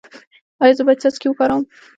ایا زه باید څاڅکي وکاروم؟